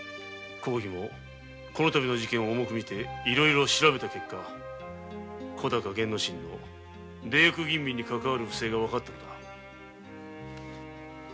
公儀も今度の事件を重くみていろいろ調べた結果小高玄之進の出役吟味にかかわる不正がわかったのだ。